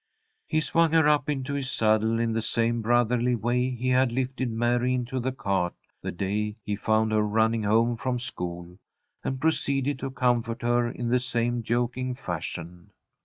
He swung her up into his saddle in the same brotherly way he had lifted Mary into the cart, the day he found her running home from school, and proceeded to comfort her in the same joking fashion.